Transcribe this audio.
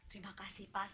terima kasih pak